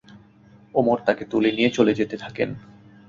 উমর তাকে তুলে নিয়ে চলে যেতে থাকেন।